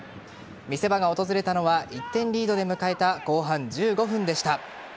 見せ場が訪れたのは１点リードで迎えた後半１５分でした。